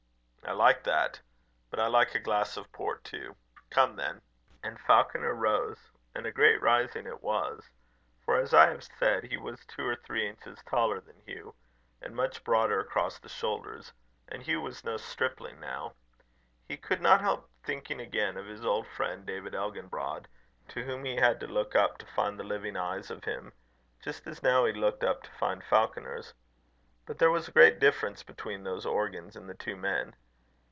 "I like that. But I like a glass of port too. Come then." And Falconer rose and a great rising it was; for, as I have said, he was two or three inches taller than Hugh, and much broader across the shoulders; and Hugh was no stripling now. He could not help thinking again of his old friend, David Elginbrod, to whom he had to look up to find the living eyes of him, just as now he looked up to find Falconer's. But there was a great difference between those organs in the two men.